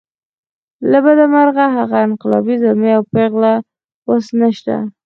له بده مرغه هغه انقلابي زلمي او پېغلې اوس نشته.